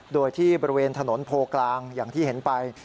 โดยที่บริเวณถนนโพกลางอย่างที่เห็นไป